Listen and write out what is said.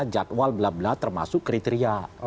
jadwal blablabla termasuk kriteria